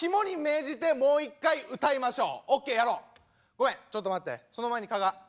ごめんちょっと待ってその前に加賀。